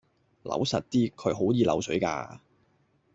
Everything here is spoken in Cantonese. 扭實啲，佢好易漏水㗎